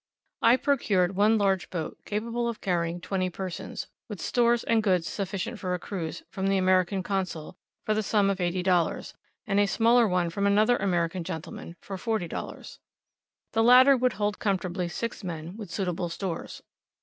I procured one large boat, capable of carrying twenty persons, with stores and goods sufficient for a cruise, from the American Consul, for the sum of $80, and a smaller one from another American gentleman for $40. The latter would hold comfortably six men, with suitable stores.